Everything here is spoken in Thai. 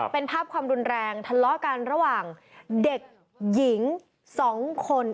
เป็นภาพความรุนแรงทะเลาะกันระหว่างเด็กหญิง๒คน